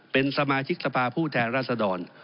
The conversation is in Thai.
เป็นสมาชิกสภาผู้แทนรัศดร